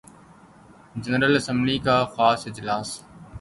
general assembly کا خاص اجلاس